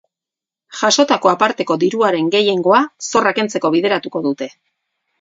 Jasotako aparteko diruaren gehiengoa zorra kentzeko bideratuko dute.